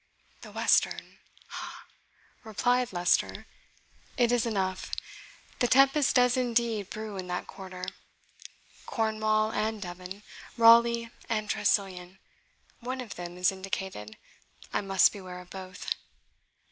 "The western ha!" replied Leicester, "it is enough the tempest does indeed brew in that quarter! Cornwall and Devon Raleigh and Tressilian one of them is indicated I must beware of both.